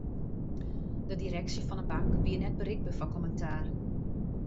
De direksje fan 'e bank wie net berikber foar kommentaar.